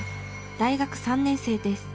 大学３年生です。